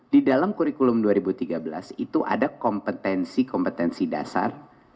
di dalam kurikulum dua ribu tiga belas itu ada kompetensi kompetensi dasar